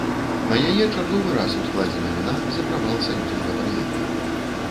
На яе чарговы раз ускладзена віна за правал саюзнага праекта.